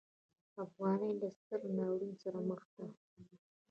افغانۍ له ستر ناورین سره مخ ده.